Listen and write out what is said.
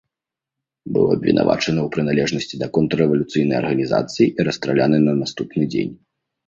Быў абвінавачаны ў прыналежнасці да контррэвалюцыйнай арганізацыі і расстраляны на наступны дзень.